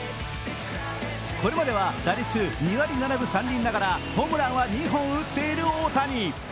これまでは打率２割７分３厘ながらホームランは２本打っている大谷。